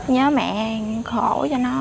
nhớ mẹ khổ cho nó